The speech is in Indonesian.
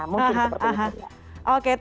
mungkin seperti itu